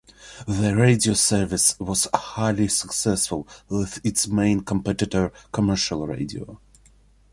The radio service was highly successful with its main competitor Commercial Radio.